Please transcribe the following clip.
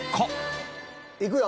いくよ。